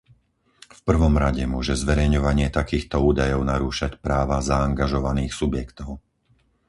V prvom rade môže zverejňovanie takýchto údajov narúšať práva zaangažovaných subjektov.